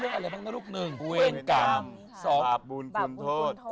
อะไรบ้างนะลูกหนึ่งเวรกรรมสอบบุญคุณโทษ